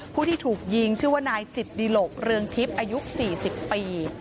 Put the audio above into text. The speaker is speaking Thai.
ผู้ที่ถูกยิงชื่อว่านายจิตดิหลกเรืองทิพย์อายุ๔๐ปี